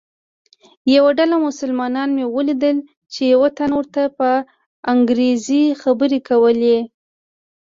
یوه ډله مسلمانان مې ولیدل چې یوه تن ورته په انګریزي خبرې کولې.